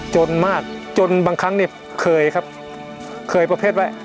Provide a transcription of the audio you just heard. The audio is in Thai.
จนมากจนบางครั้งเนี่ยเคยครับเคยประเภทไว้